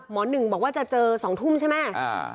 หนึ่งบอกว่าจะเจอ๒ทุ่มใช่ไหม